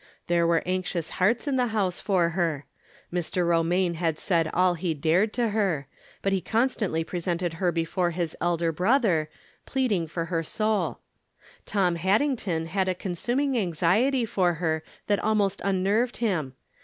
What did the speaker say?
There were anxious hearts in the house for her. Llr. Romaiae had said all he dared to her ; but he constantly pre sented her Jjefore his Elder Brother, pleading for her soul. Tom Haddington had a consuming anxiety for her that almost unnerved him.